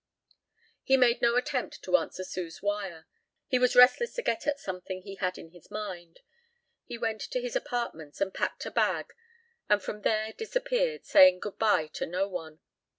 He made no attempt to answer Sue's wire. He was restless to get at something he had in his mind. He went to his apartments and packed a bag and from there disappeared saying goodbye to no one.